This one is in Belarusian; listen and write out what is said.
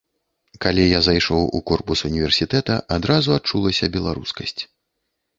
Калі я зайшоў у корпус універсітэта, адразу адчулася беларускасць.